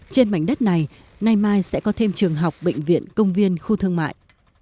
trên mảnh đất này nay mai sẽ có thêm trường học bệnh viện công viên khu thương mại